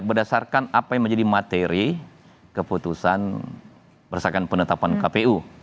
berdasarkan apa yang menjadi materi keputusan berdasarkan penetapan kpu